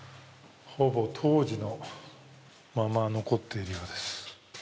ほぼ当時のまま残っているようです。